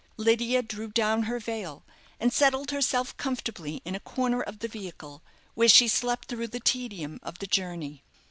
Lydia drew down her veil, and settled herself comfortably in a corner of the vehicle, where she slept through the tedium of the journey.